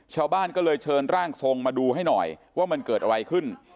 ชาวบ้านก็เลยเชิญร่างทรงมาดูให้หน่อยว่ามันเกิดอะไรขึ้น